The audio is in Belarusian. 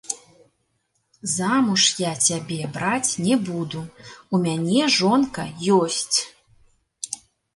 Замуж я цябе браць не буду, у мяне жонка ёсць.